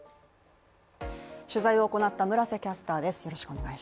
取材を行った村瀬キャスターです。